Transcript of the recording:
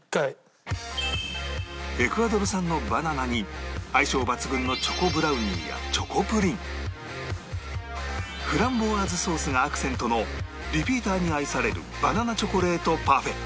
エクアドル産のバナナに相性抜群のチョコブラウニーやチョコプリンフランボワーズソースがアクセントのリピーターに愛されるバナナチョコレートパフェ